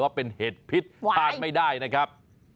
ว่าเป็นเห็ดพิษทานไม่ได้นะครับ